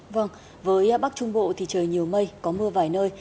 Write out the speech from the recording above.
vâng với bắc trung bộ thì trời nhiều mây có mưa vài nơi